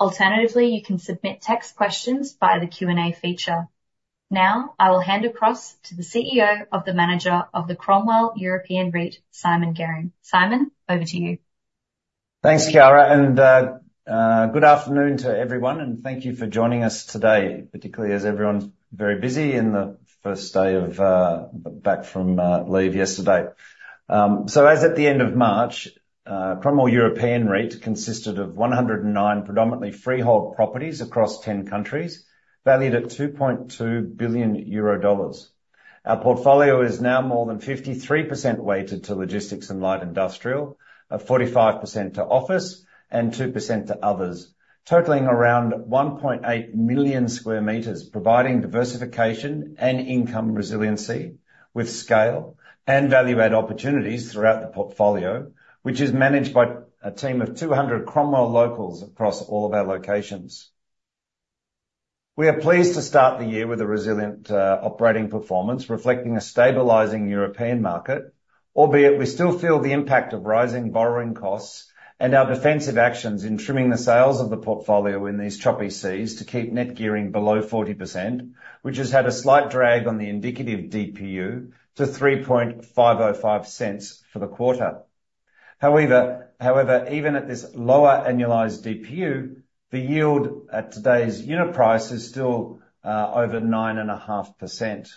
Alternatively, you can submit text questions via the Q&A feature. Now, I will hand across to the CEO of the Manager of the Cromwell European REIT, Simon Garing. Simon, over to you. Thanks, Kiara, and good afternoon to everyone, and thank you for joining us today, particularly as everyone's very busy in the first day of back from leave yesterday. So as at the end of March, Cromwell European REIT consisted of 109 predominantly freehold properties across 10 countries, valued at EUR 2.2 billion. Our portfolio is now more than 53% weighted to logistics and light industrial, 45% to office, and 2% to others, totaling around 1.8 million sq m, providing diversification and income resiliency, with scale and value-add opportunities throughout the portfolio, which is managed by a team of 200 Cromwell locals across all of our locations. We are pleased to start the year with a resilient operating performance, reflecting a stabilizing European market, albeit we still feel the impact of rising borrowing costs and our defensive actions in trimming the sales of the portfolio in these choppy seas to keep net gearing below 40%, which has had a slight drag on the indicative DPU to 0.03505 for the quarter. However, however, even at this lower annualized DPU, the yield at today's unit price is still over 9.5%.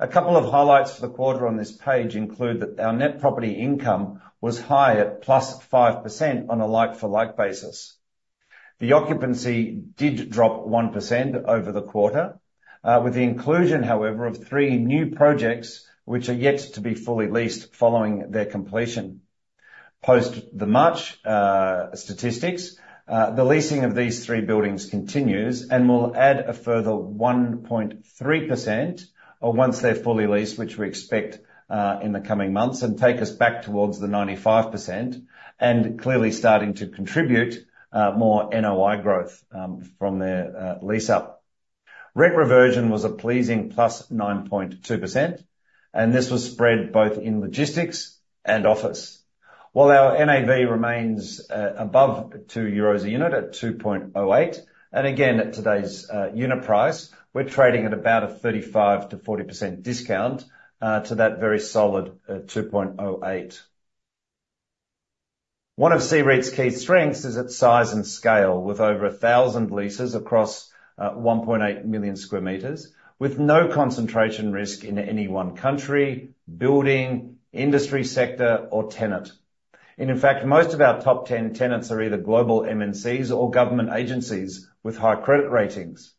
A couple of highlights for the quarter on this page include that our net property income was high at +5% on a like-for-like basis. The occupancy did drop 1% over the quarter, with the inclusion, however, of three new projects which are yet to be fully leased following their completion. Post the March statistics, the leasing of these three buildings continues and will add a further 1.3%, once they're fully leased, which we expect in the coming months, and take us back towards the 95%, and clearly starting to contribute more NOI growth from their lease-up. Reversion was a pleasing +9.2%, and this was spread both in logistics and office. While our NAV remains above 2 euros a unit at 2.08, and again, at today's unit price, we're trading at about a 35%-40% discount to that very solid 2.08. One of CEREIT's key strengths is its size and scale, with over 1,000 leases across 1.8 million sq m, with no concentration risk in any one country, building, industry sector, or tenant. In fact, most of our top ten tenants are either global MNCs or government agencies with high credit ratings.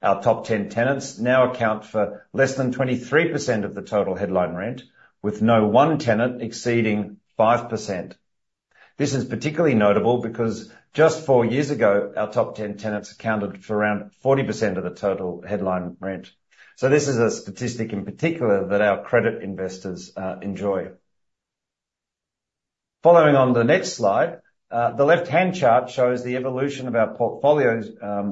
Our top ten tenants now account for less than 23% of the total headline rent, with no one tenant exceeding 5%. This is particularly notable because just four years ago, our top ten tenants accounted for around 40% of the total headline rent. This is a statistic in particular that our credit investors enjoy. Following on the next slide, the left-hand chart shows the evolution of our portfolio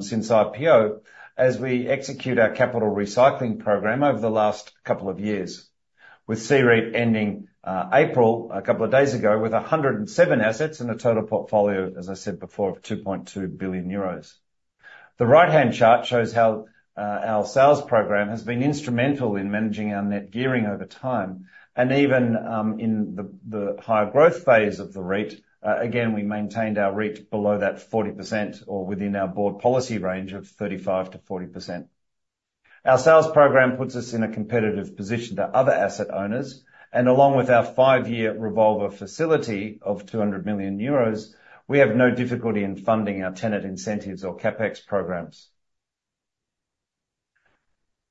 since IPO as we execute our capital recycling program over the last couple of years, with CEREIT ending April a couple of days ago with 107 assets in a total portfolio, as I said before, of 2.2 billion euros. The right-hand chart shows how our sales program has been instrumental in managing our net gearing over time, and even in the higher growth phase of the REIT, again, we maintained our REIT below that 40% or within our board policy range of 35%-40%. Our sales program puts us in a competitive position to other asset owners, and along with our five-year revolver facility of 200 million euros, we have no difficulty in funding our tenant incentives or CapEx programs.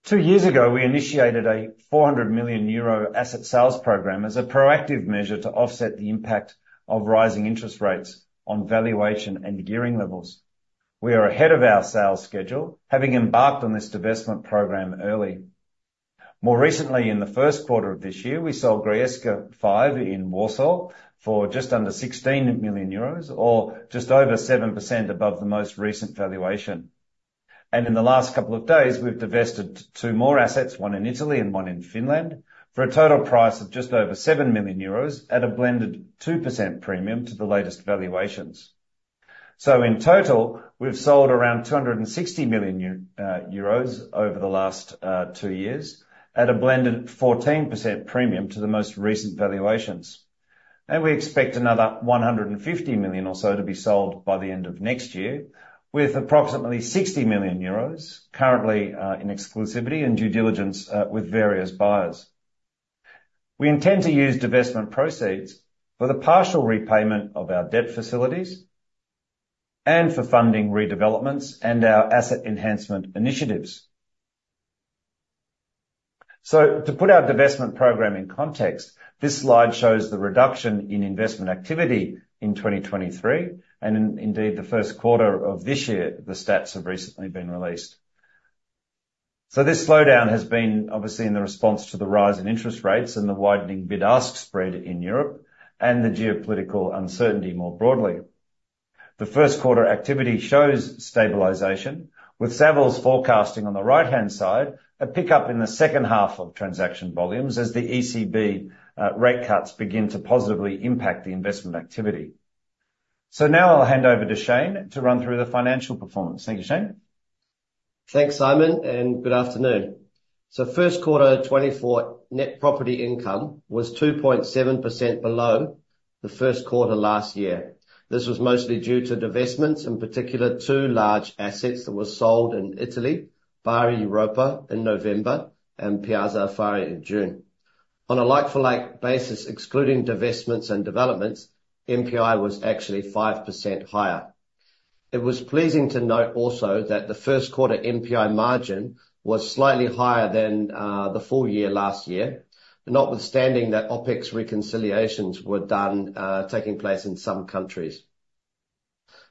Two years ago, we initiated a 400 million euro asset sales program as a proactive measure to offset the impact of rising interest rates on valuation and gearing levels. We are ahead of our sales schedule, having embarked on this divestment program early. More recently, in the first quarter of this year, we sold Grójecka 5 in Warsaw for just under 16 million euros, or just over 7% above the most recent valuation. And in the last couple of days, we've divested two more assets, one in Italy and one in Finland, for a total price of just over 7 million euros at a blended 2% premium to the latest valuations. So in total, we've sold around 260 million euros over the last two years at a blended 14% premium to the most recent valuations. We expect another 150 million or so to be sold by the end of next year, with approximately 60 million euros currently in exclusivity and due diligence with various buyers. We intend to use divestment proceeds for the partial repayment of our debt facilities and for funding redevelopments and our asset enhancement initiatives. To put our divestment program in context, this slide shows the reduction in investment activity in 2023, and indeed, in the first quarter of this year, the stats have recently been released. This slowdown has been obviously in response to the rise in interest rates and the widening bid-ask spread in Europe and the geopolitical uncertainty more broadly. The first quarter activity shows stabilization, with Savills forecasting on the right-hand side, a pickup in the second half of transaction volumes as the ECB rate cuts begin to positively impact the investment activity. So now I'll hand over to Shane to run through the financial performance. Thank you, Shane? Thanks, Simon, and good afternoon. So first quarter 2024 net property income was 2.7% below the first quarter last year. This was mostly due to divestments, in particular, two large assets that were sold in Italy, Bari Europa in November and Piazza Affari in June. On a like-for-like basis, excluding divestments and developments, NPI was actually 5% higher. It was pleasing to note also that the first quarter NPI margin was slightly higher than the full year last year, notwithstanding that OpEx reconciliations were done taking place in some countries.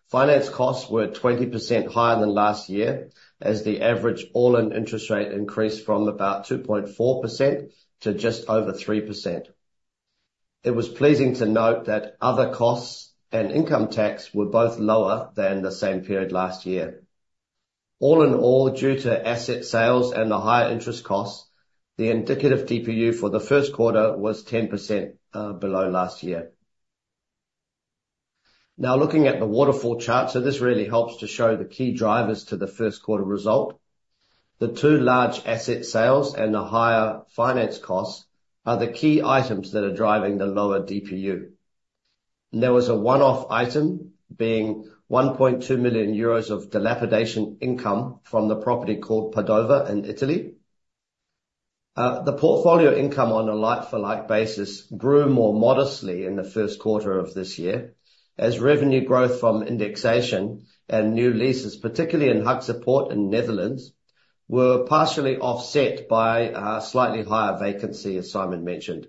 Finance costs were 20% higher than last year, as the average all-in interest rate increased from about 2.4% to just over 3%. It was pleasing to note that other costs and income tax were both lower than the same period last year. All in all, due to asset sales and the higher interest costs, the indicative DPU for the first quarter was 10% below last year. Now looking at the waterfall chart, so this really helps to show the key drivers to the first quarter result. The two large asset sales and the higher finance costs are the key items that are driving the lower DPU. There was a one-off item, being 1.2 million euros of dilapidation income from the property called Padova in Italy. The portfolio income on a like-for-like basis grew more modestly in the first quarter of this year, as revenue growth from indexation and new leases, particularly in Haagse Poort in Netherlands, were partially offset by slightly higher vacancy, as Simon mentioned.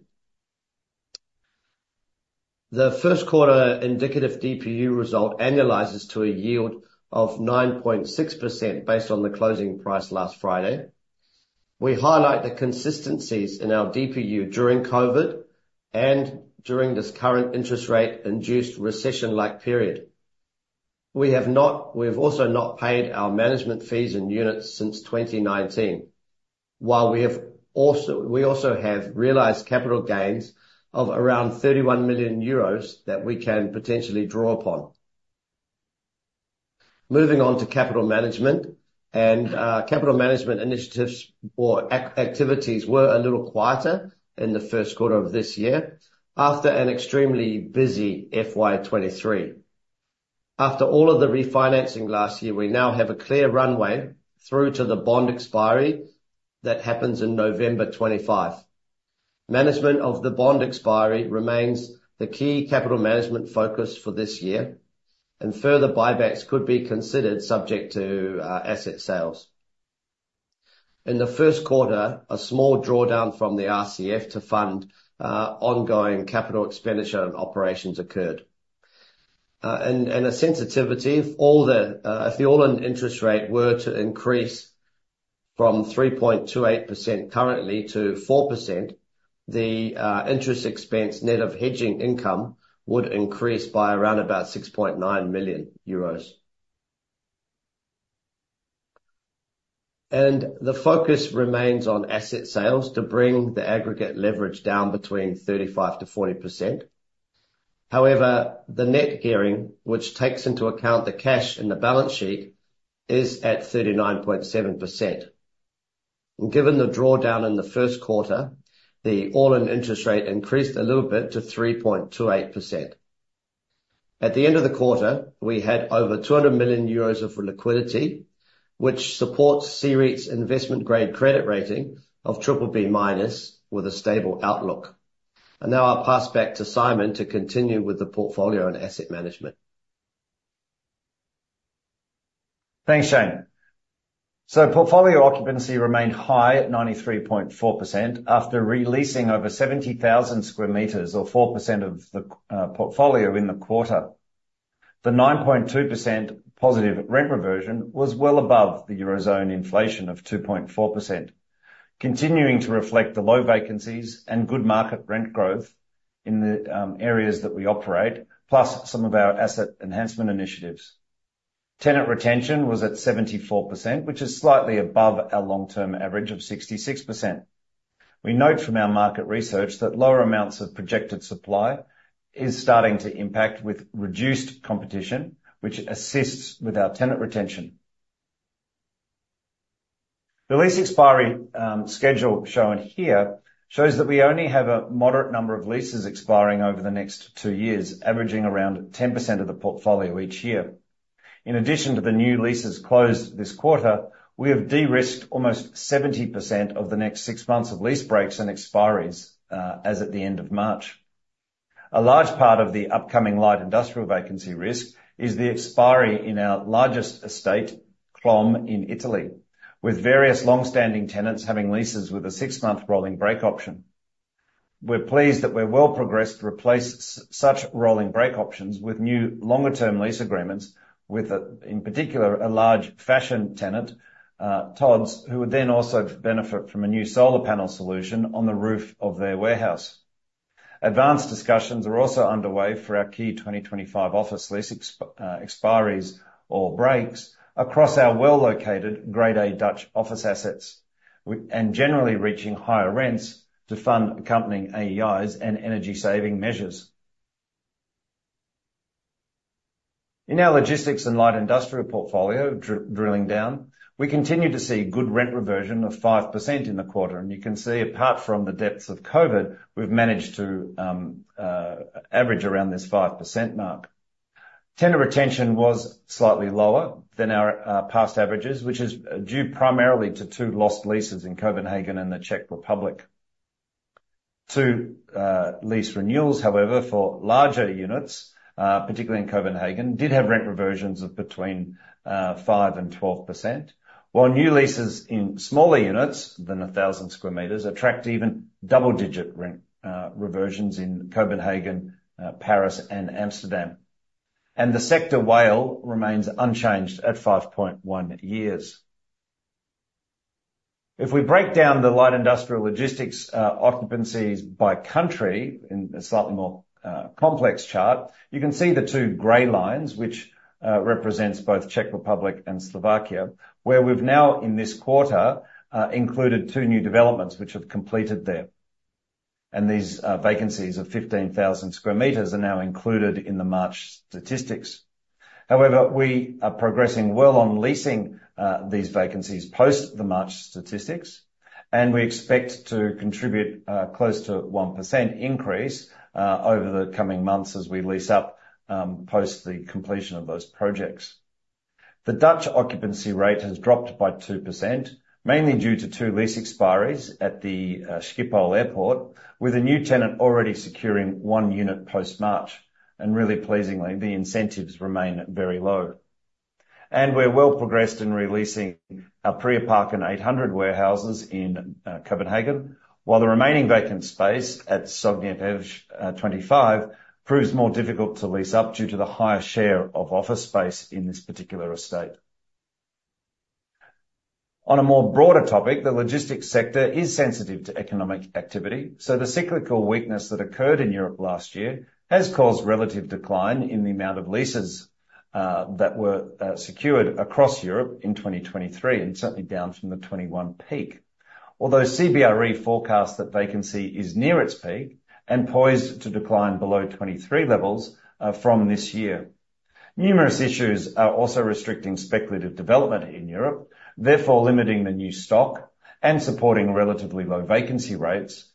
The first quarter indicative DPU result annualizes to a yield of 9.6% based on the closing price last Friday. We highlight the consistencies in our DPU during COVID and during this current interest rate-induced recession-like period. We have also not paid our management fees in units since 2019, while we also have realized capital gains of around 31 million euros that we can potentially draw upon. Moving on to capital management, and capital management initiatives or activities were a little quieter in the first quarter of this year, after an extremely busy FY 2023. After all of the refinancing last year, we now have a clear runway through to the bond expiry that happens in November 2025. Management of the bond expiry remains the key capital management focus for this year, and further buybacks could be considered subject to asset sales. In the first quarter, a small drawdown from the RCF to fund ongoing capital expenditure and operations occurred. A sensitivity, if the all-in interest rate were to increase from 3.28% currently to 4%, the interest expense net of hedging income would increase by around about 6.9 million euros. And the focus remains on asset sales to bring the aggregate leverage down between 35%-40%. However, the net gearing, which takes into account the cash in the balance sheet, is at 39.7%. Given the drawdown in the first quarter, the all-in interest rate increased a little bit to 3.28%. At the end of the quarter, we had over 200 million euros of liquidity, which supports CEREIT's investment-grade credit rating of BBB- with a stable outlook. And now I'll pass back to Simon to continue with the portfolio and asset management. Thanks, Shane. So portfolio occupancy remained high at 93.4% after re-leasing over 70,000 sq m or 4% of the portfolio in the quarter. The 9.2% positive rent reversion was well above the Eurozone inflation of 2.4%, continuing to reflect the low vacancies and good market rent growth in the areas that we operate, plus some of our asset enhancement initiatives. Tenant retention was at 74%, which is slightly above our long-term average of 66%. We note from our market research that lower amounts of projected supply is starting to impact with reduced competition, which assists with our tenant retention. The lease expiry schedule shown here shows that we only have a moderate number of leases expiring over the next two years, averaging around 10% of the portfolio each year. In addition to the new leases closed this quarter, we have de-risked almost 70% of the next six months of lease breaks and expiries, as at the end of March. A large part of the upcoming light industrial vacancy risk is the expiry in our largest estate, CLOM, in Italy, with various long-standing tenants having leases with a six-month rolling break option. We're pleased that we're well progressed to replace such rolling break options with new longer-term lease agreements, with, in particular, a large fashion tenant, Tod's, who would then also benefit from a new solar panel solution on the roof of their warehouse. Advanced discussions are also underway for our key 2025 office lease expiries or breaks across our well-located Grade A Dutch office assets, and generally reaching higher rents to fund accompanying AEIs and energy-saving measures. In our logistics and light industrial portfolio, drilling down, we continue to see good rent reversion of 5% in the quarter. And you can see, apart from the depths of COVID, we've managed to average around this 5% mark. Tenant retention was slightly lower than our past averages, which is due primarily to two lost leases in Copenhagen and the Czech Republic. Two lease renewals, however, for larger units, particularly in Copenhagen, did have rent reversions of between 5% and 12%. While new leases in smaller units than 1,000 sq m attract even double-digit rent reversions in Copenhagen, Paris, and Amsterdam. The sector WALE remains unchanged at 5.1 years. If we break down the light industrial logistics occupancies by country, in a slightly more complex chart, you can see the two gray lines, which represents both Czech Republic and Slovakia, where we've now, in this quarter, included two new developments which have completed there, and these vacancies of 15,000 sq m are now included in the March statistics. However, we are progressing well on leasing these vacancies post the March statistics, and we expect to contribute close to 1% increase over the coming months as we lease up post the completion of those projects. The Dutch occupancy rate has dropped by 2%, mainly due to two lease expiries at the Schiphol Airport, with a new tenant already securing one unit post-March. Really pleasingly, the incentives remain very low. We're well progressed in re-leasing our Priorparken 800 warehouses in Copenhagen. While the remaining vacant space at Sognevej 25 proves more difficult to lease up due to the higher share of office space in this particular estate. On a more broader topic, the logistics sector is sensitive to economic activity, so the cyclical weakness that occurred in Europe last year has caused relative decline in the amount of leases that were secured across Europe in 2023, and certainly down from the 2021 peak. Although CBRE forecasts that vacancy is near its peak and poised to decline below 2023 levels from this year. Numerous issues are also restricting speculative development in Europe, therefore limiting the new stock and supporting relatively low vacancy rates,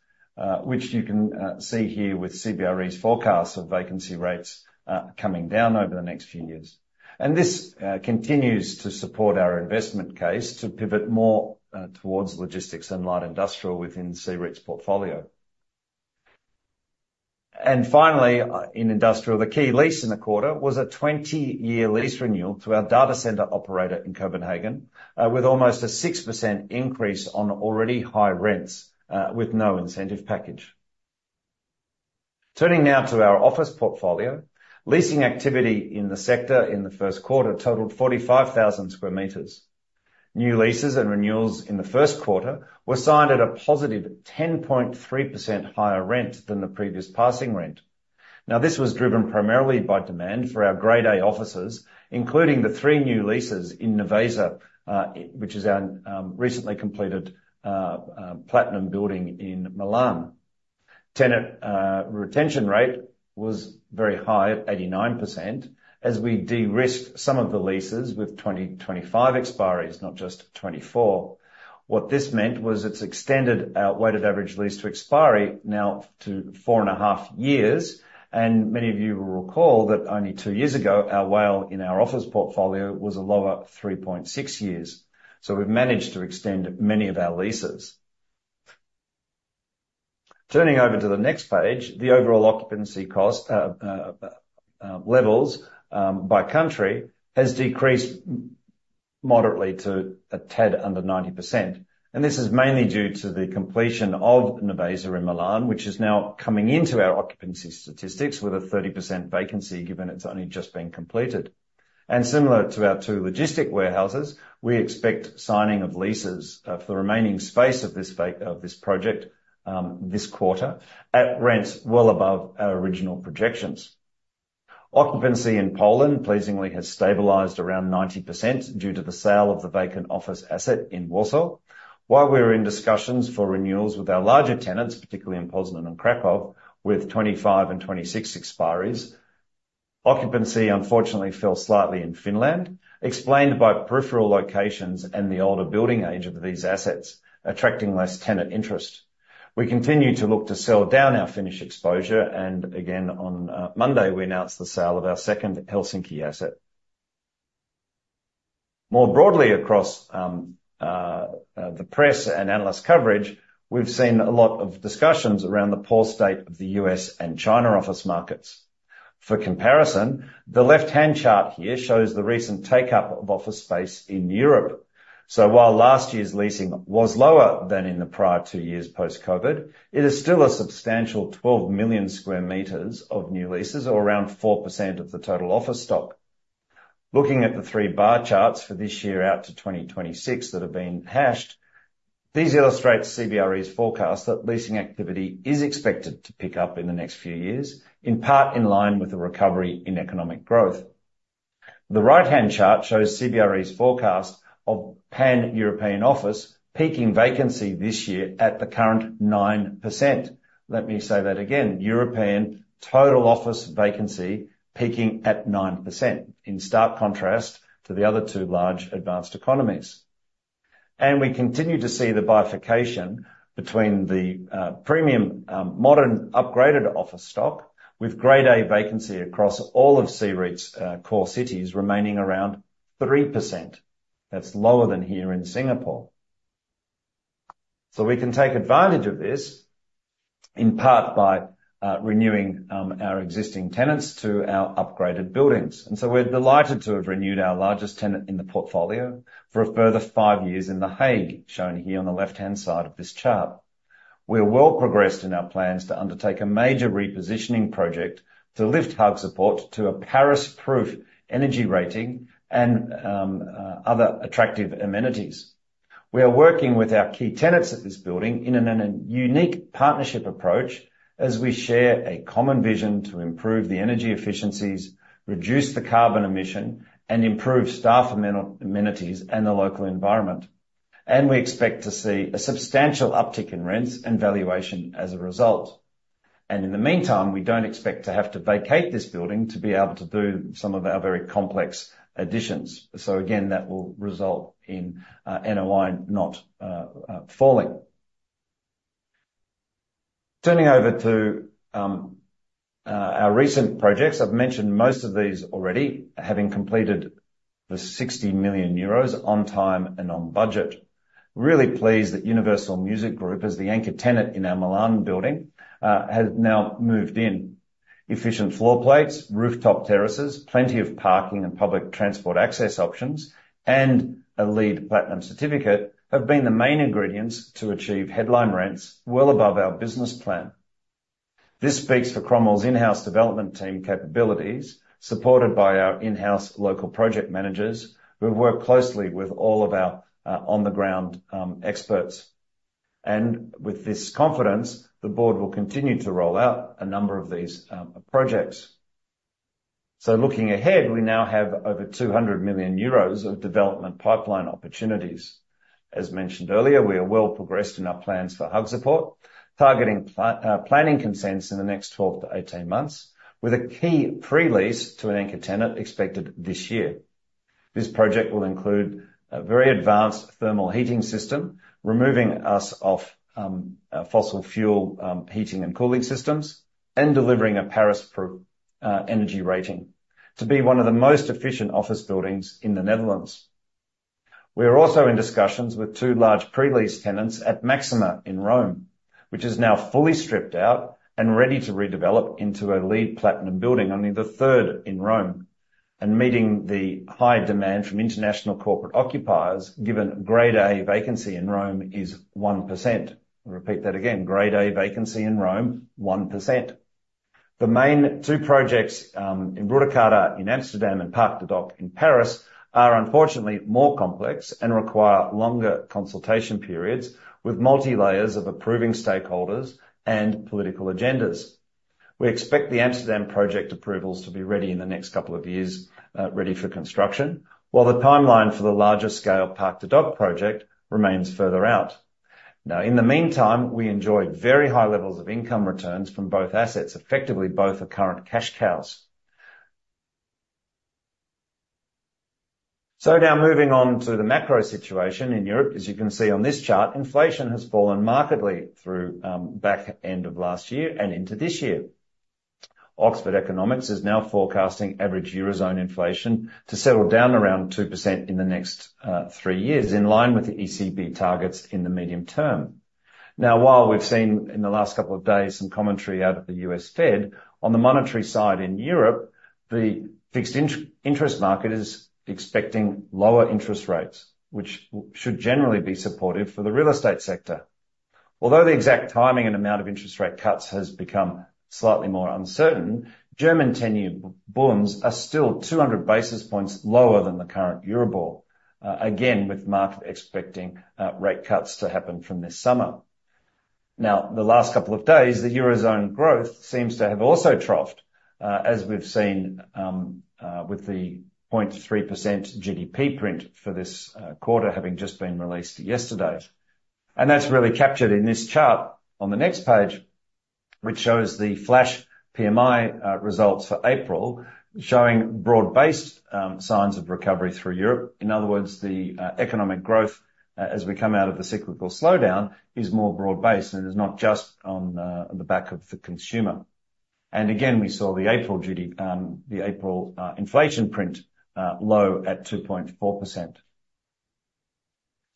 which you can see here with CBRE's forecast of vacancy rates coming down over the next few years. And this continues to support our investment case to pivot more towards logistics and light industrial within CEREIT's portfolio. And finally, in industrial, the key lease in the quarter was a 20-year lease renewal to our data center operator in Copenhagen, with almost a 6% increase on already high rents, with no incentive package. Turning now to our office portfolio. Leasing activity in the sector in the first quarter totaled 45,000 sq m. New leases and renewals in the first quarter were signed at a +10.3% higher rent than the previous passing rent. Now, this was driven primarily by demand for our Grade A offices, including the three new leases in Nervesa, which is our recently completed platinum building in Milan. Tenant retention rate was very high at 89%, as we de-risked some of the leases with 2025 expiries, not just 2024. What this meant was it's extended our weighted average lease to expiry now to 4.5 years, and many of you will recall that only two years ago, our WALE in our office portfolio was a lower 3.6 years. So we've managed to extend many of our leases. Turning over to the next page, the overall occupancy cost levels by country has decreased moderately to a tad under 90%, and this is mainly due to the completion of Nervesa in Milan, which is now coming into our occupancy statistics with a 30% vacancy, given it's only just been completed. Similar to our two logistics warehouses, we expect signing of leases for the remaining space of this project this quarter at rents well above our original projections. Occupancy in Poland pleasingly has stabilized around 90% due to the sale of the vacant office asset in Warsaw. While we're in discussions for renewals with our larger tenants, particularly in Poznań and Kraków, with 2025 and 2026 expiries, occupancy unfortunately fell slightly in Finland, explained by peripheral locations and the older building age of these assets, attracting less tenant interest. We continue to look to sell down our Finnish exposure, and again, on Monday, we announced the sale of our second Helsinki asset. More broadly across the press and analyst coverage, we've seen a lot of discussions around the poor state of the U.S. and China office markets. For comparison, the left-hand chart here shows the recent take-up of office space in Europe. So while last year's leasing was lower than in the prior two years post-COVID, it is still a substantial 12 million sq m of new leases, or around 4% of the total office stock. Looking at the three bar charts for this year out to 2026 that have been hashed, these illustrates CBRE's forecast that leasing activity is expected to pick up in the next few years, in part in line with the recovery in economic growth. The right-hand chart shows CBRE's forecast of pan-European office peaking vacancy this year at the current 9%. Let me say that again, European total office vacancy peaking at 9%, in stark contrast to the other two large advanced economies. And we continue to see the bifurcation between the premium modern upgraded office stock, with Grade A vacancy across all of CEREIT's core cities remaining around 3%. That's lower than here in Singapore. So we can take advantage of this, in part by renewing our existing tenants to our upgraded buildings. We're delighted to have renewed our largest tenant in the portfolio for a further five years in The Hague, shown here on the left-hand side of this chart. We are well progressed in our plans to undertake a major repositioning project to lift Haagse Poort to a Paris Proof energy rating and other attractive amenities. We are working with our key tenants at this building in a unique partnership approach as we share a common vision to improve the energy efficiencies, reduce the carbon emission, and improve staff amenities and the local environment. We expect to see a substantial uptick in rents and valuation as a result. In the meantime, we don't expect to have to vacate this building to be able to do some of our very complex additions. So again, that will result in NOI not falling. Turning over to our recent projects. I've mentioned most of these already, having completed the 60 million euros on time and on budget. Really pleased that Universal Music Group, as the anchor tenant in our Milan building, has now moved in. Efficient floor plates, rooftop terraces, plenty of parking and public transport access options, and a LEED Platinum certificate have been the main ingredients to achieve headline rents well above our business plan. This speaks for Cromwell's in-house development team capabilities, supported by our in-house local project managers, who have worked closely with all of our on-the-ground experts. And with this confidence, the board will continue to roll out a number of these projects. So looking ahead, we now have over 200 million euros of development pipeline opportunities. As mentioned earlier, we are well progressed in our plans for Haagse Poort, targeting planning consents in the next 12-18 months, with a key pre-lease to an anchor tenant expected this year. This project will include a very advanced thermal heating system, removing us off fossil fuel heating and cooling systems, and delivering a Paris Proof energy rating to be one of the most efficient office buildings in the Netherlands. We are also in discussions with two large pre-lease tenants at Maxima in Rome, which is now fully stripped out and ready to redevelop into a LEED Platinum building, only the third in Rome, and meeting the high demand from international corporate occupiers, given Grade A vacancy in Rome is 1%. I'll repeat that again, Grade A vacancy in Rome, 1%. The main two projects in De Ruyterkade in Amsterdam and Parc des Docks in Paris are unfortunately more complex and require longer consultation periods, with multi-layers of approving stakeholders and political agendas. We expect the Amsterdam project approvals to be ready in the next couple of years, ready for construction, while the timeline for the larger scale Parc des Docks project remains further out. Now, in the meantime, we enjoyed very high levels of income returns from both assets, effectively both are current cash cows. So now moving on to the macro situation in Europe. As you can see on this chart, inflation has fallen markedly through back end of last year and into this year. Oxford Economics is now forecasting average Eurozone inflation to settle down around 2% in the next three years, in line with the ECB targets in the medium term. Now, while we've seen in the last couple of days some commentary out of the U.S. Fed, on the monetary side in Europe, the fixed interest market is expecting lower interest rates, which should generally be supportive for the real estate sector. Although the exact timing and amount of interest rate cuts has become slightly more uncertain, German ten-year Bunds are still 200 basis points lower than the current Euribor, again, with market expecting rate cuts to happen from this summer. Now, the last couple of days, the Eurozone growth seems to have also troughed, as we've seen, with the 0.3% GDP print for this quarter having just been released yesterday. That's really captured in this chart on the next page, which shows the flash PMI results for April, showing broad-based signs of recovery through Europe. In other words, the economic growth, as we come out of the cyclical slowdown, is more broad-based and is not just on the back of the consumer. And again, we saw the April GDP, the April inflation print low at 2.4%.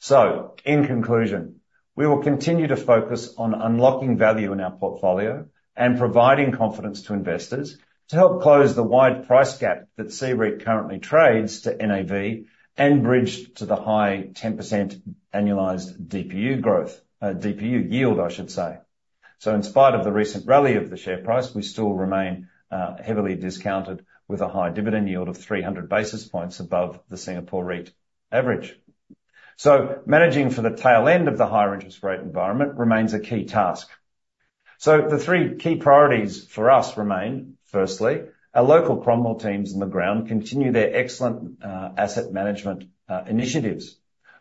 So, in conclusion, we will continue to focus on unlocking value in our portfolio and providing confidence to investors to help close the wide price gap that CEREIT currently trades to NAV, and bridge to the high 10% annualized DPU growth, DPU yield, I should say. So in spite of the recent rally of the share price, we still remain heavily discounted with a high dividend yield of 300 basis points above the Singapore REIT average. So managing for the tail end of the higher interest rate environment remains a key task. So the three key priorities for us remain: firstly, our local Cromwell teams on the ground continue their excellent asset management initiatives.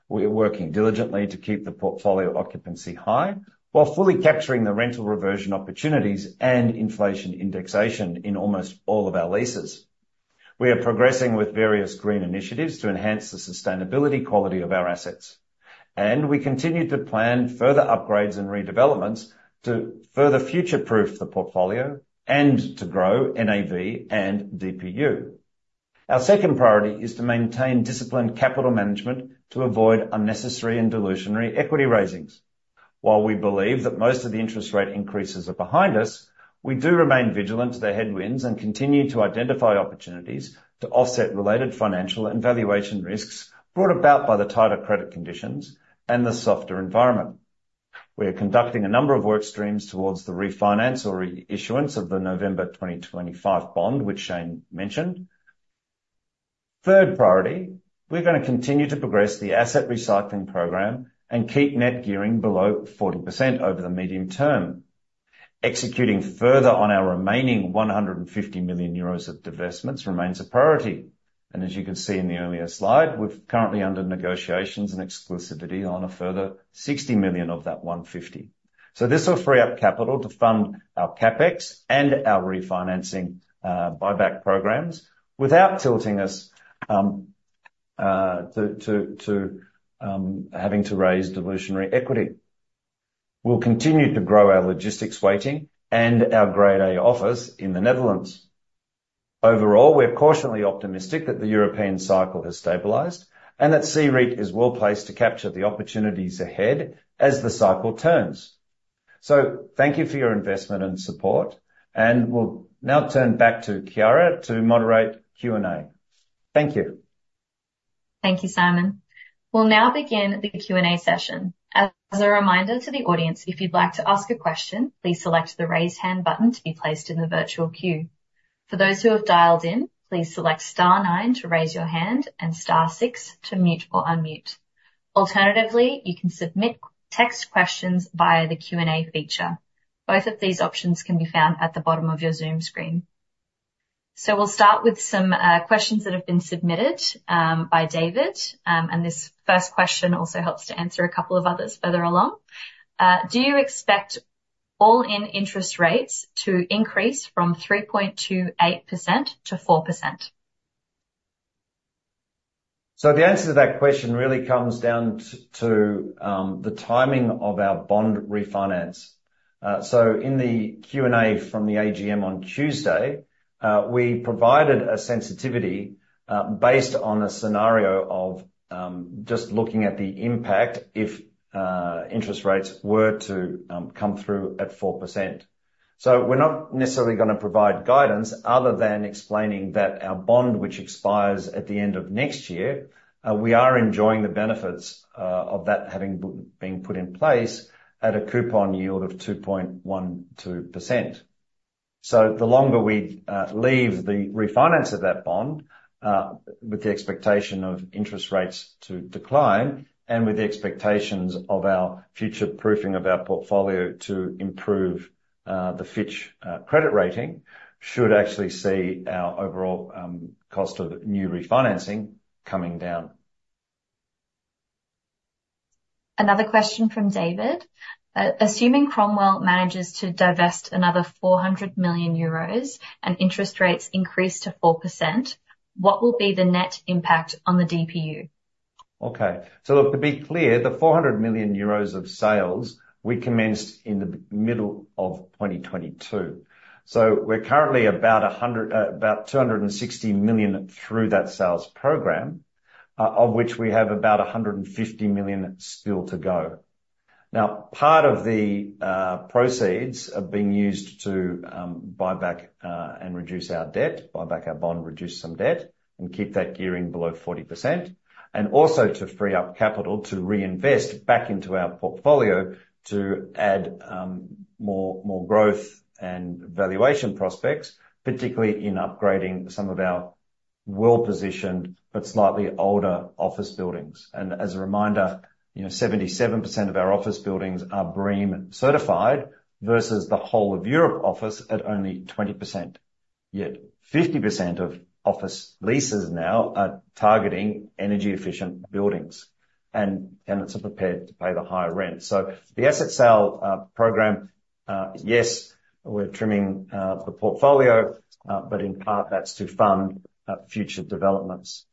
We are working diligently to keep the portfolio occupancy high while fully capturing the rental reversion opportunities and inflation indexation in almost all of our leases. We are progressing with various green initiatives to enhance the sustainability quality of our assets, and we continue to plan further upgrades and redevelopments to further future-proof the portfolio and to grow NAV and DPU. Our second priority is to maintain disciplined capital management to avoid unnecessary and dilutionary equity raisings. While we believe that most of the interest rate increases are behind us, we do remain vigilant to the headwinds and continue to identify opportunities to offset related financial and valuation risks brought about by the tighter credit conditions and the softer environment. We are conducting a number of work streams towards the refinance or reissuance of the November 2025 bond, which Shane mentioned. Third priority, we're gonna continue to progress the asset recycling program and keep net gearing below 40% over the medium term. Executing further on our remaining 150 million euros of divestments remains a priority, and as you can see in the earlier slide, we're currently under negotiations and exclusivity on a further 60 million of that 150 million. So this will free up capital to fund our CapEx and our refinancing, buyback programs without tilting us to having to raise dilutionary equity. We'll continue to grow our logistics weighting and our Grade A office in the Netherlands. Overall, we're cautiously optimistic that the European cycle has stabilized and that CEREIT is well placed to capture the opportunities ahead as the cycle turns. So thank you for your investment and support, and we'll now turn back to Kiara to moderate Q&A. Thank you. Thank you, Simon. We'll now begin the Q&A session. As a reminder to the audience, if you'd like to ask a question, please select the Raise Hand button to be placed in the virtual queue. For those who have dialed in, please select star nine to raise your hand and star six to mute or unmute. Alternatively, you can submit text questions via the Q&A feature. Both of these options can be found at the bottom of your Zoom screen. We'll start with some questions that have been submitted by David. This first question also helps to answer a couple of others further along. Do you expect all-in interest rates to increase from 3.28% to 4%? So the answer to that question really comes down to the timing of our bond refinance. So in the Q&A from the AGM on Tuesday, we provided a sensitivity based on a scenario of just looking at the impact if interest rates were to come through at 4%. So we're not necessarily gonna provide guidance other than explaining that our bond, which expires at the end of next year, we are enjoying the benefits of that having been put in place at a coupon yield of 2.12%. So the longer we leave the refinance of that bond with the expectation of interest rates to decline, and with the expectations of our future proofing of our portfolio to improve the Fitch credit rating, should actually see our overall cost of new refinancing coming down. Another question from David: Assuming Cromwell manages to divest another 400 million euros and interest rates increase to 4%, what will be the net impact on the DPU? Okay, so look, to be clear, the 400 million euros of sales we commenced in the middle of 2022. So we're currently about 100 million, about 260 million through that sales program, of which we have about 150 million still to go. Now, part of the, proceeds are being used to, buy back, and reduce our debt, buy back our bond, reduce some debt, and keep that gearing below 40%, and also to free up capital to reinvest back into our portfolio to add, more, more growth and valuation prospects, particularly in upgrading some of our well-positioned but slightly older office buildings. And as a reminder, you know, 77% of our office buildings are BREEAM certified versus the whole of Europe office at only 20%. Yet 50% of office leases now are targeting energy-efficient buildings, and it's prepared to pay the higher rent. So the asset sale program, yes, we're trimming the portfolio, but in part, that's to fund future developments.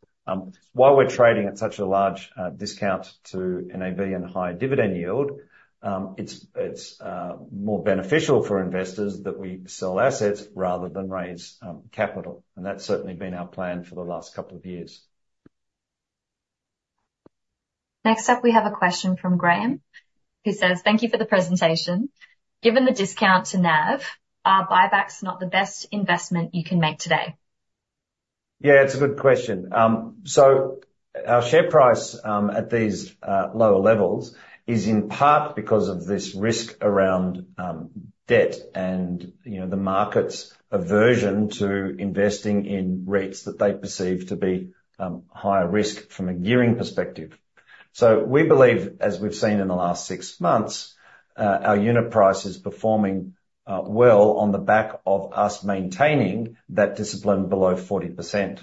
While we're trading at such a large discount to NAV and high dividend yield, it's more beneficial for investors that we sell assets rather than raise capital, and that's certainly been our plan for the last couple of years. Next up, we have a question from Graham, who says: Thank you for the presentation. Given the discount to NAV, are buybacks not the best investment you can make today? Yeah, it's a good question. So our share price at these lower levels is in part because of this risk around debt and, you know, the market's aversion to investing in rates that they perceive to be higher risk from a gearing perspective. So we believe, as we've seen in the last six months, our unit price is performing well on the back of us maintaining that discipline below 40%.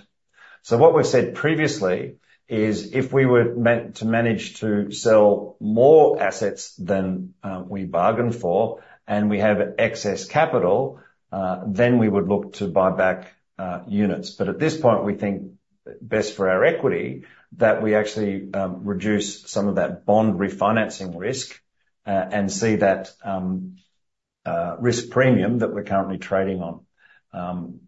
So what we've said previously is, if we were to manage to sell more assets than we bargained for, and we have excess capital, then we would look to buy back units. But at this point, we think best for our equity that we actually reduce some of that bond refinancing risk and see that risk premium that we're currently trading on.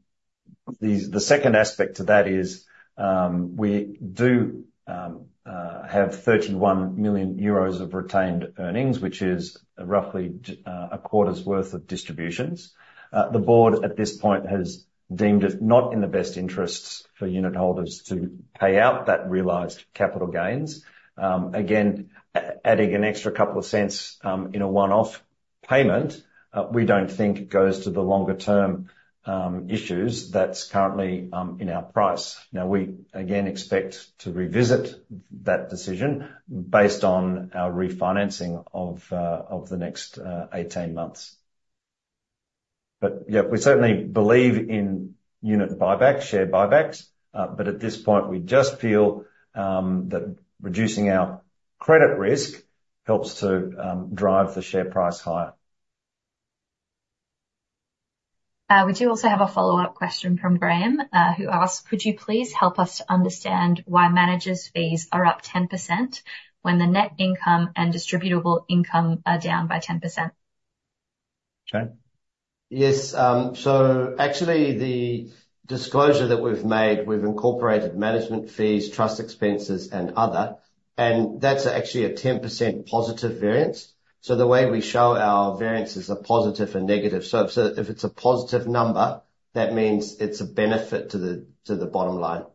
The second aspect to that is, we do have 31 million euros of retained earnings, which is roughly a quarter's worth of distributions. The board at this point has deemed it not in the best interests for unit holders to pay out that realized capital gains. Again, adding an extra couple of cents in a one-off payment, we don't think goes to the longer term issues that's currently in our price. Now, we again expect to revisit that decision based on our refinancing of the next 18 months. But yeah, we certainly believe in unit buybacks, share buybacks. But at this point, we just feel that reducing our credit risk helps to drive the share price higher. We do also have a follow-up question from Graham, who asked: Could you please help us to understand why managers' fees are up 10% when the net income and distributable income are down by 10%? Shane? Yes. Actually, the disclosure that we've made, we've incorporated management fees, trust expenses, and other, and that's actually a 10% positive variance. The way we show our variances are positive and negative, so if it's a positive number, that means it's a benefit to the bottom line.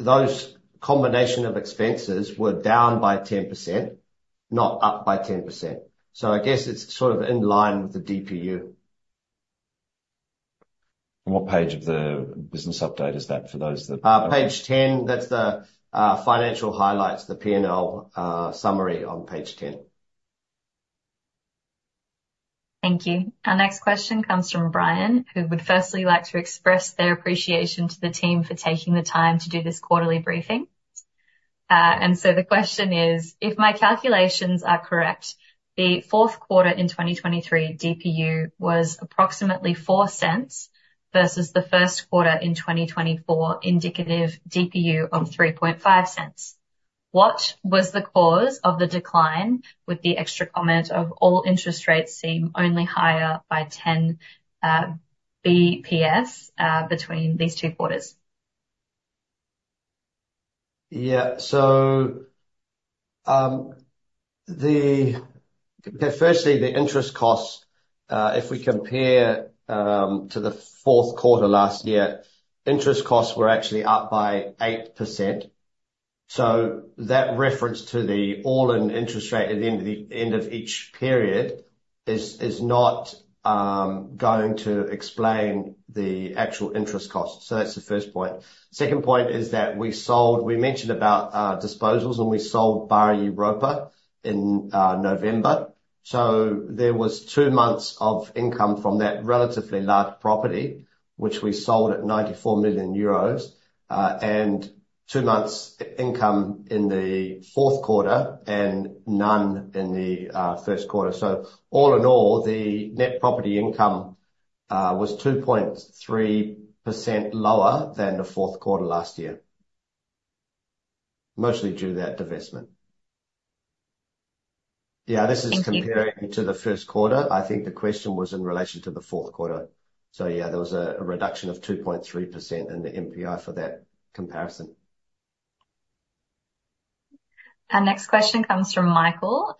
Those combination of expenses were down by 10%, not up by 10%. I guess it's sort of in line with the DPU. What page of the business update is that for those that? Page 10. That's the financial highlights, the P&L summary on page 10. Thank you. Our next question comes from Brian, who would firstly like to express their appreciation to the team for taking the time to do this quarterly briefing. So the question is, if my calculations are correct, the fourth quarter in 2023 DPU was approximately 0.04, versus the first quarter in 2024, indicative DPU of 0.035. What was the cause of the decline with the extra comment of all interest rates seem only higher by 10 bps between these two quarters? Yeah. So, Okay, firstly, the interest costs. If we compare to the fourth quarter last year, interest costs were actually up by 8%. So that reference to the all-in interest rate at the end of the end of each period is not going to explain the actual interest cost. So that's the first point. Second point is that we sold. We mentioned about disposals when we sold Bari Europa in November. So there was two months of income from that relatively large property, which we sold at 94 million euros, and two months income in the fourth quarter and none in the first quarter. So all in all, the net property income was 2.3% lower than the fourth quarter last year, mostly due to that divestment. Yeah. Thank you. This is comparing to the first quarter. I think the question was in relation to the fourth quarter. So yeah, there was a reduction of 2.3% in the NPI for that comparison. Our next question comes from Michael.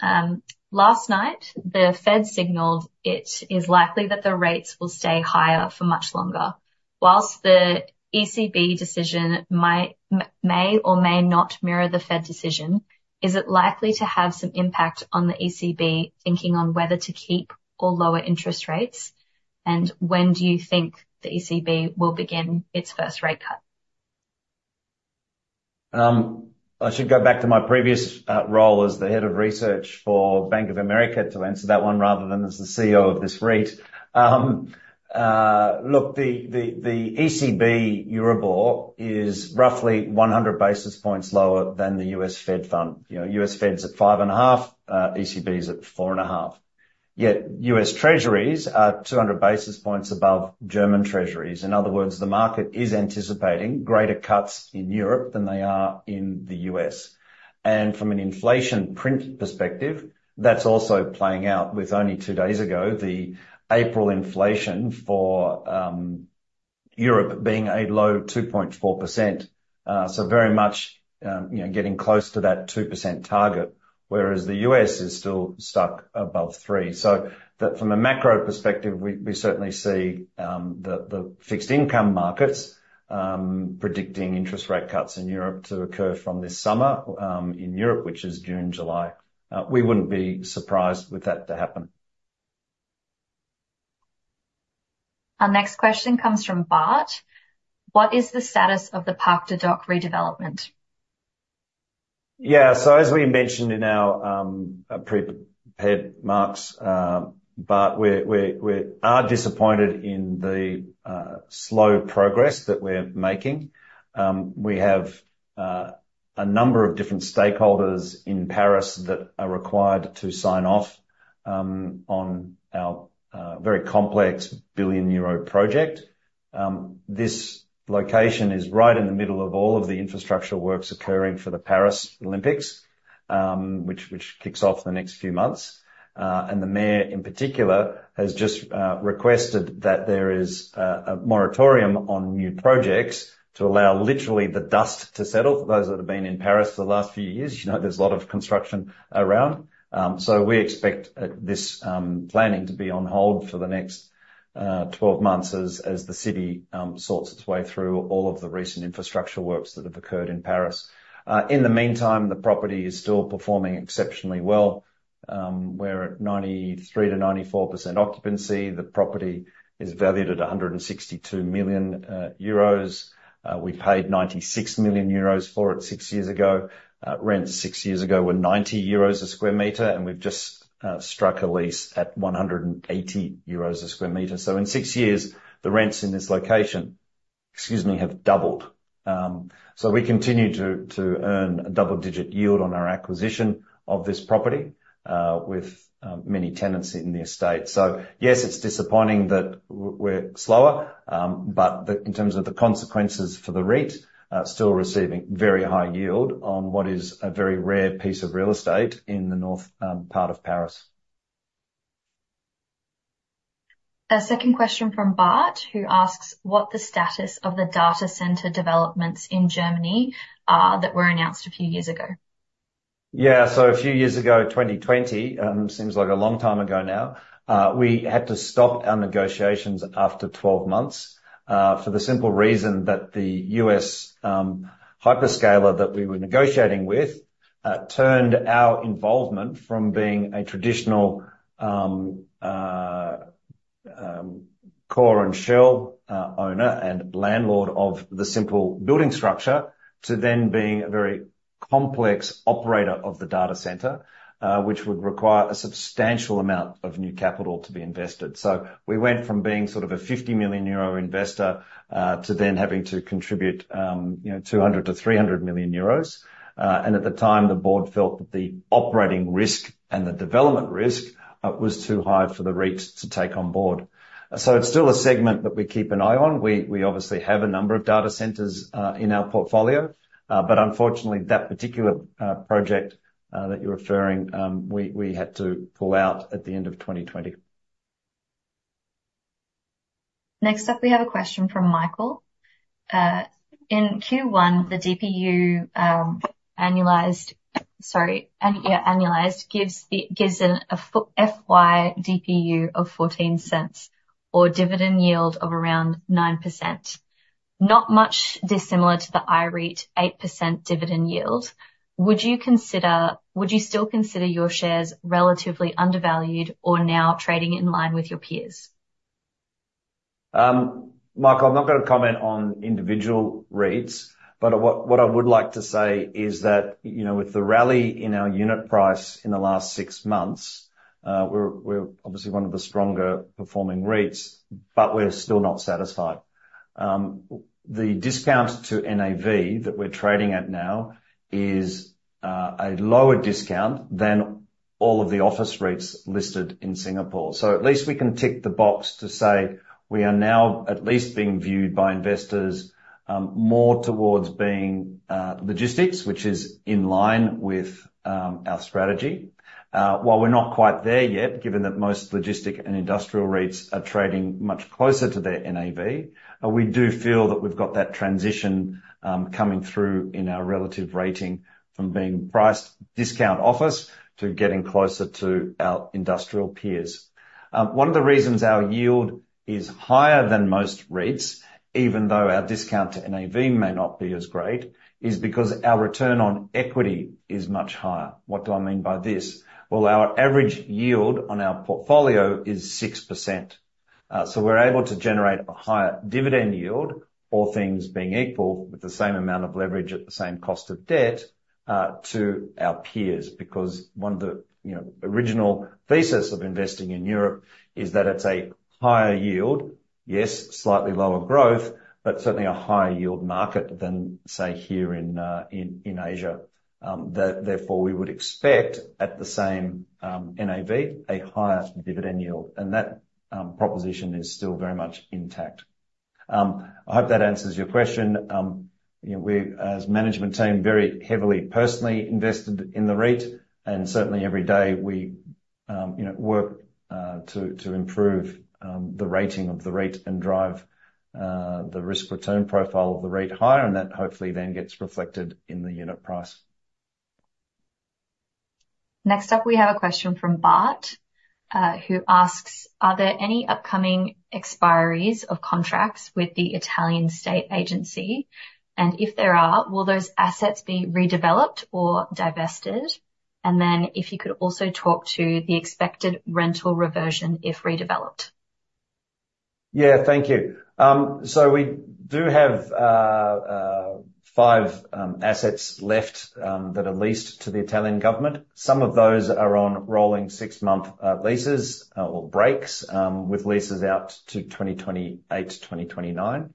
Last night, the Fed signaled it is likely that the rates will stay higher for much longer. While the ECB decision might, may or may not mirror the Fed decision, is it likely to have some impact on the ECB thinking on whether to keep or lower interest rates? And when do you think the ECB will begin its first rate cut? I should go back to my previous role as the head of research for Bank of America to answer that one, rather than as the CEO of this REIT. Look, the ECB Euribor is roughly 100 basis points lower than the U.S. Fed Fund. You know, US Fed's at 5.5, ECB's at 4.5, yet U.S. Treasuries are 200 basis points above German Treasuries. In other words, the market is anticipating greater cuts in Europe than they are in the U.S., and from an inflation print perspective, that's also playing out, with only two days ago, the April inflation for Europe being a low 2.4%. So very much, you know, getting close to that 2% target, whereas the U.S. is still stuck above 3%. So, from a macro perspective, we certainly see the fixed income markets predicting interest rate cuts in Europe to occur from this summer in Europe, which is June, July. We wouldn't be surprised with that to happen. Our next question comes from Bart: What is the status of the Parc des Docks redevelopment? Yeah, so as we mentioned in our prepared remarks, Bart, we are disappointed in the slow progress that we're making. We have a number of different stakeholders in Paris that are required to sign off on our very complex 1 billion euro project. This location is right in the middle of all of the infrastructure works occurring for the Paris Olympics, which kicks off in the next few months. The mayor, in particular, has just requested that there is a moratorium on new projects to allow literally the dust to settle. For those that have been in Paris for the last few years, you know, there's a lot of construction around. So we expect this planning to be on hold for the next 12 months as the city sorts its way through all of the recent infrastructure works that have occurred in Paris. In the meantime, the property is still performing exceptionally well. We're at 93%-94% occupancy. The property is valued at 162 million euros. We paid 96 million euros for it six years ago. Rents six years ago were 90 euros a square meter, and we've just struck a lease at 180 euros a square meter. So in six years, the rents in this location, excuse me, have doubled. So we continue to earn a double-digit yield on our acquisition of this property with many tenants in the estate. So yes, it's disappointing that we're slower, but in terms of the consequences for the REIT, still receiving very high yield on what is a very rare piece of real estate in the north part of Paris. A second question from Bart, who asks: What the status of the data center developments in Germany are that were announced a few years ago? Yeah. So a few years ago, 2020, seems like a long time ago now. We had to stop our negotiations after 12 months, for the simple reason that the U.S. hyperscaler that we were negotiating with turned our involvement from being a traditional core and shell owner and landlord of the simple building structure, to then being a very complex operator of the data center, which would require a substantial amount of new capital to be invested. So we went from being sort of a 50 million euro investor, to then having to contribute, you know, 200 million-300 million euros. And at the time, the board felt that the operating risk and the development risk was too high for the REIT to take on board. So it's still a segment that we keep an eye on. We, we obviously have a number of data centers in our portfolio, but unfortunately, that particular project that you're referring, we, we had to pull out at the end of 2020. Next up, we have a question from Michael. In Q1, the DPU annualized gives the FY DPU of 0.14 or dividend yield of around 9%. Not much dissimilar to the IREIT 8% dividend yield. Would you consider, would you still consider your shares relatively undervalued or now trading in line with your peers? Michael, I'm not gonna comment on individual REITs, but what I would like to say is that, you know, with the rally in our unit price in the last six months, we're obviously one of the stronger performing REITs, but we're still not satisfied. The discount to NAV that we're trading at now is a lower discount than all of the office REITs listed in Singapore. So at least we can tick the box to say we are now at least being viewed by investors, more towards being logistics, which is in line with our strategy. While we're not quite there yet, given that most logistics and industrial REITs are trading much closer to their NAV, we do feel that we've got that transition coming through in our relative rating from being priced discount office to getting closer to our industrial peers. One of the reasons our yield is higher than most REITs, even though our discount to NAV may not be as great, is because our return on equity is much higher. What do I mean by this? Well, our average yield on our portfolio is 6%. So we're able to generate a higher dividend yield, all things being equal, with the same amount of leverage at the same cost of debt to our peers, because one of the, you know, original thesis of investing in Europe is that it's a higher yield. Yes, slightly lower growth, but certainly a higher yield market than, say, here in Asia. Therefore, we would expect at the same NAV, a higher dividend yield, and that proposition is still very much intact. I hope that answers your question. You know, we, as management team, very heavily personally invested in the REIT, and certainly every day, you know, work to improve the rating of the REIT and drive the risk return profile of the REIT higher, and that hopefully then gets reflected in the unit price. Next up, we have a question from Bart, who asks: "Are there any upcoming expiries of contracts with the Italian state agency? And if there are, will those assets be redeveloped or divested? And then if you could also talk to the expected rental reversion, if redeveloped. Yeah. Thank you. So we do have five assets left that are leased to the Italian government. Some of those are on rolling six-month leases or breaks with leases out to 2028, 2029.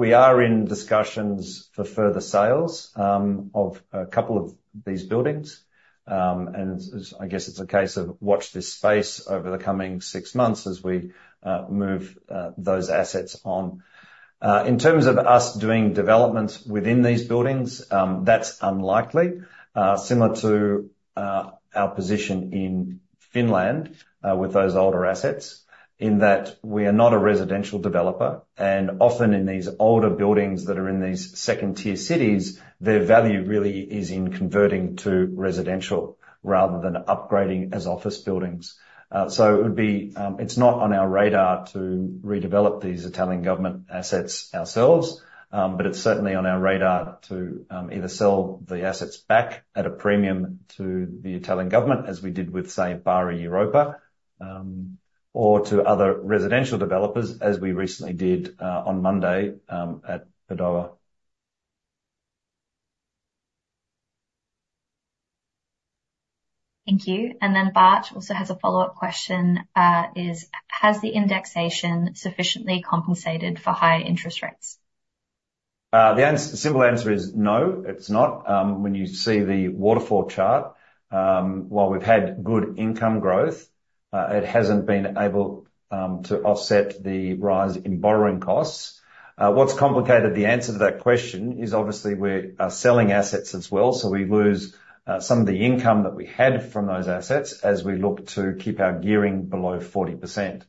We are in discussions for further sales of a couple of these buildings. And I guess it's a case of watch this space over the coming six months as we move those assets on. In terms of us doing developments within these buildings, that's unlikely. Similar to our position in Finland with those older assets, in that we are not a residential developer, and often in these older buildings that are in these second-tier cities, their value really is in converting to residential rather than upgrading as office buildings. It's not on our radar to redevelop these Italian government assets ourselves, but it's certainly on our radar to either sell the assets back at a premium to the Italian government, as we did with, say, Bari Europa, or to other residential developers, as we recently did on Monday at Padova. Thank you. And then Bart also has a follow-up question, is: "Has the indexation sufficiently compensated for higher interest rates? The simple answer is no, it's not. When you see the waterfall chart, while we've had good income growth, it hasn't been able to offset the rise in borrowing costs. What's complicated the answer to that question is obviously we are selling assets as well, so we lose some of the income that we had from those assets as we look to keep our gearing below 40%.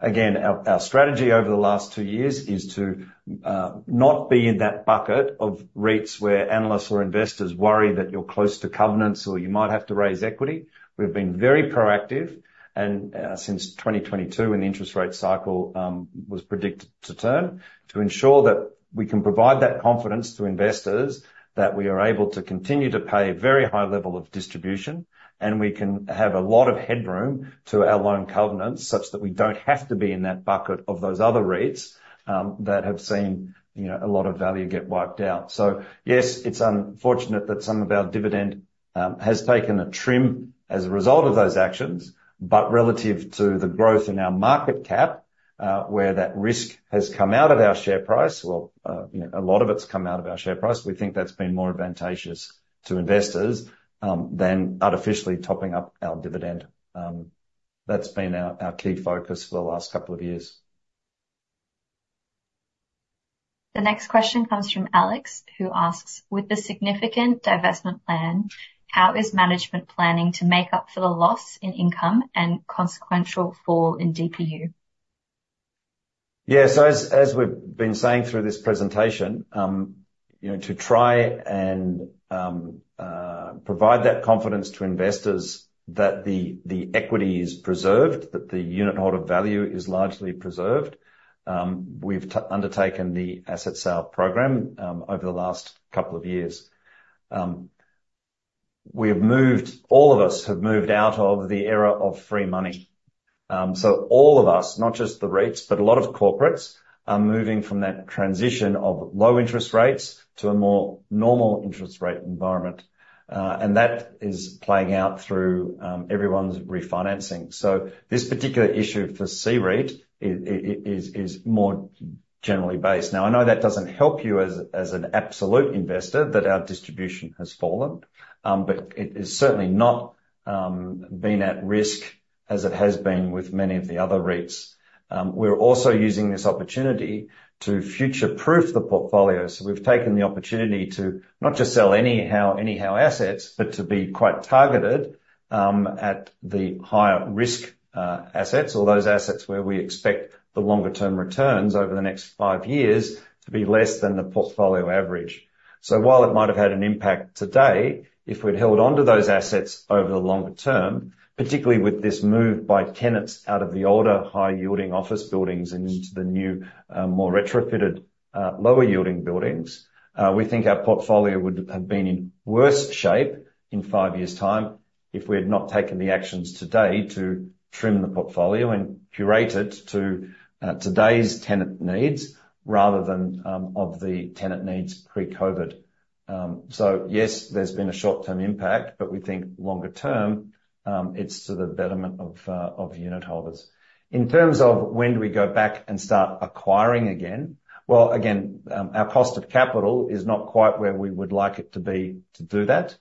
Again, our strategy over the last two years is to not be in that bucket of REITs, where analysts or investors worry that you're close to covenants or you might have to raise equity. We've been very proactive, and since 2022, when the interest rate cycle was predicted to turn, to ensure that we can provide that confidence to investors that we are able to continue to pay a very high level of distribution, and we can have a lot of headroom to our loan covenants, such that we don't have to be in that bucket of those other REITs that have seen, you know, a lot of value get wiped out. Yes, it's unfortunate that some of our dividend has taken a trim as a result of those actions, but relative to the growth in our market cap, where that risk has come out of our share price, well, you know, a lot of it's come out of our share price, we think that's been more advantageous to investors than artificially topping up our dividend. That's been our, our key focus for the last couple of years. The next question comes from Alex, who asks: "With the significant divestment plan, how is management planning to make up for the loss in income and consequential fall in DPU? Yeah. So as we've been saying through this presentation, you know, to try and provide that confidence to investors that the equity is preserved, that the unitholder value is largely preserved, we've undertaken the asset sale program over the last couple of years. We have moved. All of us have moved out of the era of free money. So all of us, not just the REITs, but a lot of corporates, are moving from that transition of low interest rates to a more normal interest rate environment. And that is playing out through everyone's refinancing. So this particular issue for CEREIT is more generally based. Now, I know that doesn't help you as an absolute investor, that our distribution has fallen, but it has certainly not been at risk as it has been with many of the other REITs. We're also using this opportunity to future-proof the portfolio. So we've taken the opportunity to not just sell anyhow assets, but to be quite targeted at the higher risk assets or those assets where we expect the longer term returns over the next five years to be less than the portfolio average. So while it might have had an impact today, if we'd held onto those assets over the longer term, particularly with this move by tenants out of the older, high-yielding office buildings and into the new, more retrofitted, lower-yielding buildings, we think our portfolio would have been in worse shape in five years' time if we had not taken the actions today to trim the portfolio and curate it to, today's tenant needs, rather than, of the tenant needs pre-COVID. So yes, there's been a short-term impact, but we think longer term, it's to the betterment of, of unitholders. In terms of when do we go back and start acquiring again, well, again, our cost of capital is not quite where we would like it to be to do that.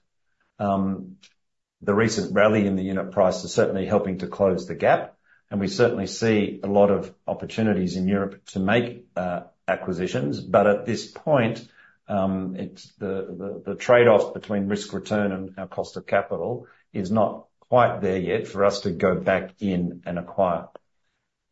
The recent rally in the unit price is certainly helping to close the gap, and we certainly see a lot of opportunities in Europe to make acquisitions, but at this point, it's the trade-off between risk/return and our cost of capital is not quite there yet for us to go back in and acquire.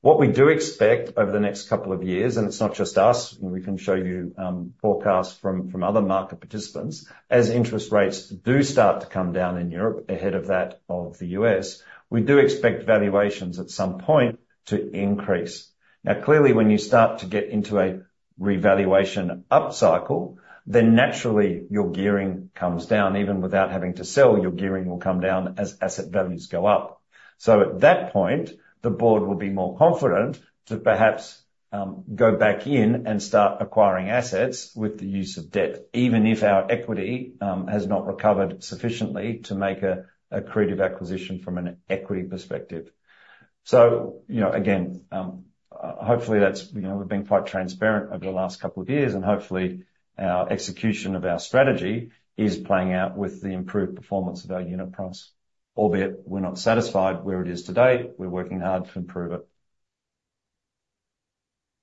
What we do expect over the next couple of years, and it's not just us, and we can show you forecasts from other market participants, as interest rates do start to come down in Europe ahead of that of the U.S., we do expect valuations at some point to increase. Now, clearly, when you start to get into a revaluation up cycle, then naturally your gearing comes down. Even without having to sell, your gearing will come down as asset values go up. So at that point, the board will be more confident to perhaps go back in and start acquiring assets with the use of debt, even if our equity has not recovered sufficiently to make an accretive acquisition from an equity perspective. So, you know, again, hopefully that's, you know, we've been quite transparent over the last couple of years, and hopefully our execution of our strategy is playing out with the improved performance of our unit price. Albeit, we're not satisfied where it is today. We're working hard to improve it.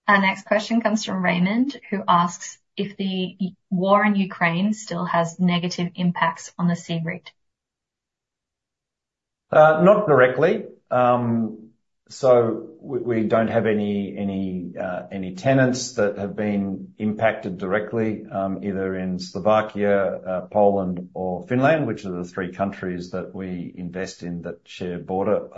Our next question comes from Raymond, who asks if the war in Ukraine still has negative impacts on the CEREIT? Not directly. So we don't have any tenants that have been impacted directly, either in Slovakia, Poland or Finland, which are the three countries that we invest in, that share a border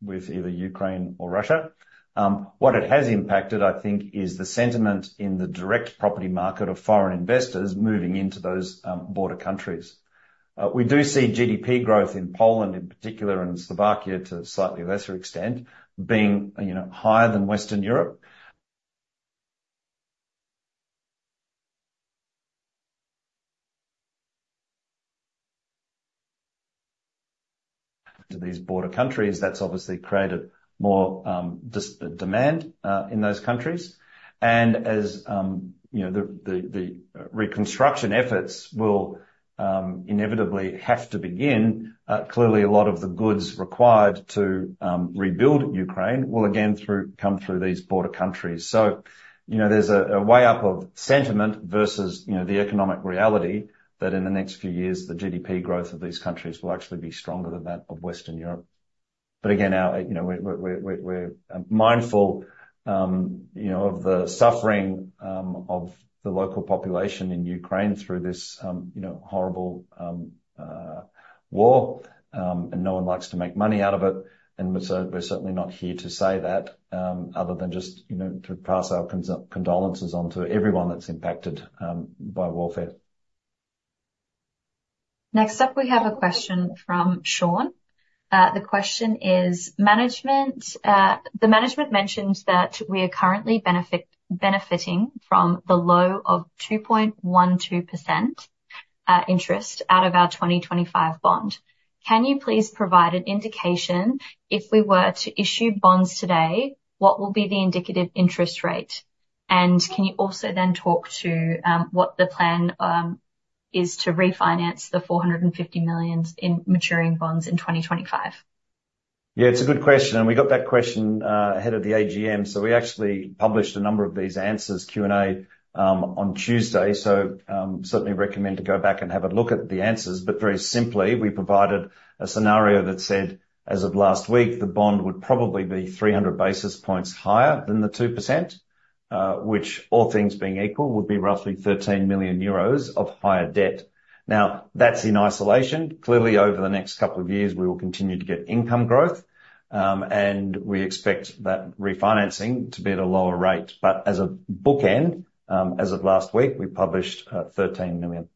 with either Ukraine or Russia. What it has impacted, I think, is the sentiment in the direct property market of foreign investors moving into those border countries. We do see GDP growth in Poland in particular, and Slovakia to a slightly lesser extent, being, you know, higher than Western Europe. To these border countries, that's obviously created more demand in those countries. And as you know, the reconstruction efforts will inevitably have to begin, clearly a lot of the goods required to rebuild Ukraine will again come through these border countries. So, you know, there's a weigh-up of sentiment versus, you know, the economic reality that in the next few years, the GDP growth of these countries will actually be stronger than that of Western Europe. But again, our, you know, we're mindful, you know, of the suffering of the local population in Ukraine through this, you know, horrible war. And no one likes to make money out of it, and we're so we're certainly not here to say that, other than just, you know, to pass our condolences on to everyone that's impacted by warfare. Next up, we have a question from Sean. The question is: Management, the management mentions that we are currently benefiting from the low of 2.12% interest out of our 2025 bond. Can you please provide an indication, if we were to issue bonds today, what will be the indicative interest rate? And can you also then talk to what the plan is to refinance the 450 million in maturing bonds in 2025? Yeah, it's a good question, and we got that question ahead of the AGM. So we actually published a number of these answers, Q&A, on Tuesday. So, certainly recommend to go back and have a look at the answers. But very simply, we provided a scenario that said, as of last week, the bond would probably be 300 basis points higher than the 2%, which, all things being equal, would be roughly 13 million euros of higher debt. Now, that's in isolation. Clearly, over the next couple of years, we will continue to get income growth, and we expect that refinancing to be at a lower rate. But as a bookend, as of last week, we published, thirteen million.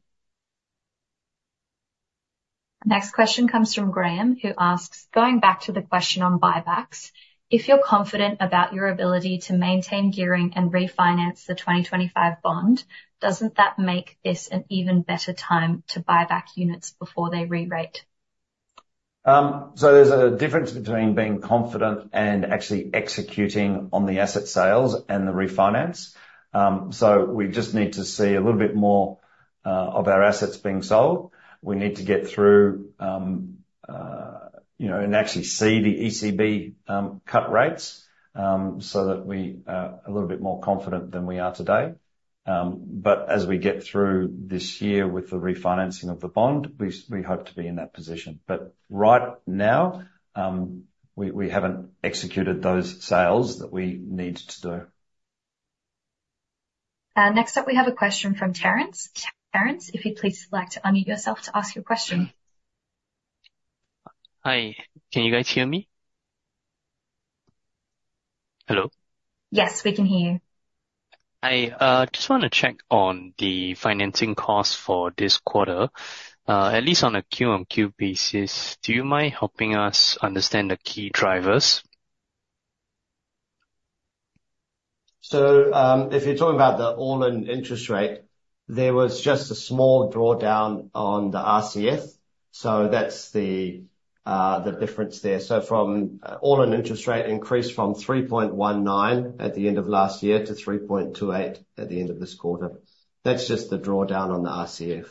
Next question comes from Graham, who asks: Going back to the question on buybacks, if you're confident about your ability to maintain gearing and refinance the 2025 bond, doesn't that make this an even better time to buy back units before they rerate? So there's a difference between being confident and actually executing on the asset sales and the refinance. So we just need to see a little bit more of our assets being sold. We need to get through, you know, and actually see the ECB cut rates, so that we are a little bit more confident than we are today. But as we get through this year with the refinancing of the bond, we hope to be in that position. But right now, we haven't executed those sales that we need to do. Next up, we have a question from Terrence. Terrence, if you'd please like to unmute yourself to ask your question. Hi, can you guys hear me? Hello? Yes, we can hear you. I just wanna check on the financing costs for this quarter. At least on a Q-on-Q basis, do you mind helping us understand the key drivers? So, if you're talking about the all-in interest rate, there was just a small drawdown on the RCF, so that's the difference there. So from all-in interest rate increased from 3.19% at the end of last year, to 3.28% at the end of this quarter. That's just the drawdown on the RCF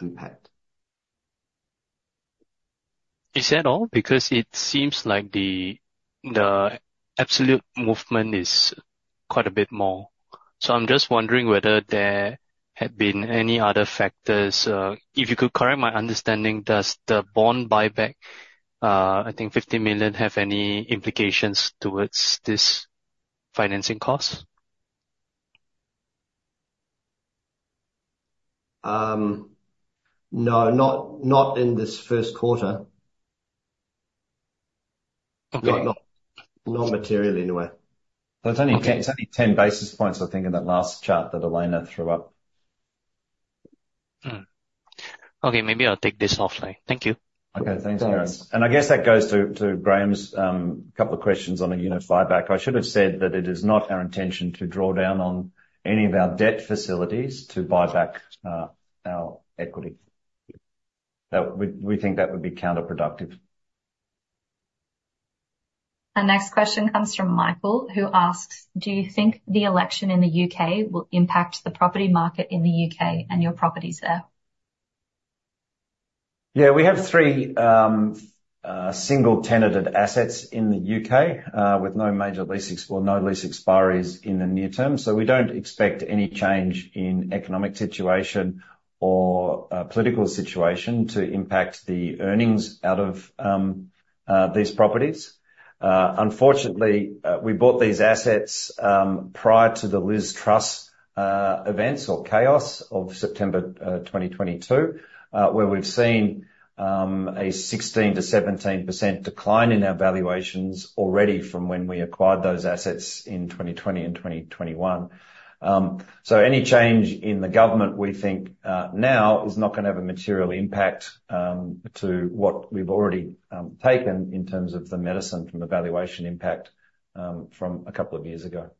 impact. Is that all? Because it seems like the, the absolute movement is quite a bit more. So I'm just wondering whether there have been any other factors. If you could correct my understanding, does the bond buyback, I think 50 million, have any implications towards this financing cost? No, not in this first quarter. Okay. Not materially, anyway. It's only 10, it's only 10 basis points, I think, in that last chart that Elena threw up. Okay, maybe I'll take this offline. Thank you. Okay, thanks, Terrence. And I guess that goes to Graham's couple of questions on a unit buyback. I should have said that it is not our intention to draw down on any of our debt facilities to buy back our equity. That would, we think that would be counterproductive. Our next question comes from Michael, who asks: Do you think the election in the U.K. will impact the property market in the U.K. and your properties there? Yeah, we have three single-tenanted assets in the U.K. with no major leases or no lease expiries in the near term. So we don't expect any change in economic situation or political situation to impact the earnings out of these properties. Unfortunately, we bought these assets prior to the Liz Truss events or chaos of September 2022 where we've seen a 16%-17% decline in our valuations already from when we acquired those assets in 2020 and 2021. So any change in the government, we think, now, is not gonna have a material impact to what we've already taken in terms of the medicine from the valuation impact from a couple of years ago.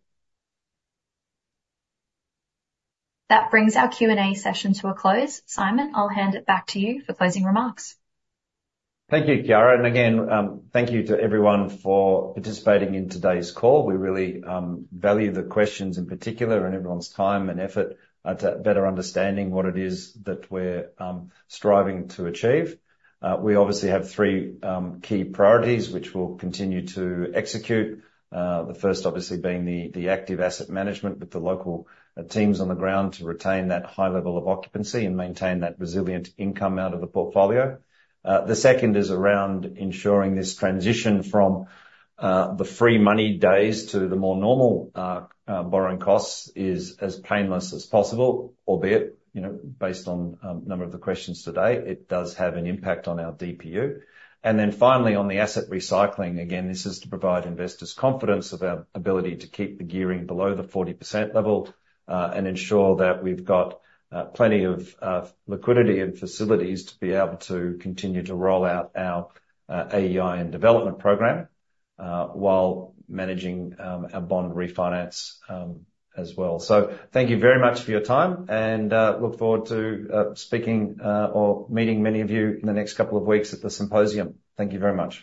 That brings our Q&A session to a close. Simon, I'll hand it back to you for closing remarks. Thank you, Kiara, and again, thank you to everyone for participating in today's call. We really value the questions in particular, and everyone's time and effort to better understanding what it is that we're striving to achieve. We obviously have three key priorities, which we'll continue to execute. The first obviously being the active asset management with the local teams on the ground to retain that high level of occupancy and maintain that resilient income out of the portfolio. The second is around ensuring this transition from the free money days to the more normal borrowing costs is as painless as possible, albeit, you know, based on a number of the questions today, it does have an impact on our DPU. And then finally, on the asset recycling, again, this is to provide investors confidence of our ability to keep the gearing below the 40% level, and ensure that we've got plenty of liquidity and facilities to be able to continue to roll out our AEI and development program, while managing our bond refinance, as well. So, thank you very much for your time, and look forward to speaking or meeting many of you in the next couple of weeks at the symposium. Thank you very much.